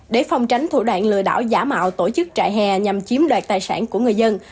để phòng tránh thủ đoạn lừa đảo giả mạo tổ chức trại hè nhằm chiếm đoạt tài sản của người dân